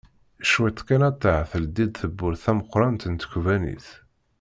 Cwiṭ kan attah teldi-d tewwurt tameqqrant n tkebbanit.